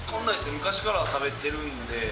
昔から食べてるんで。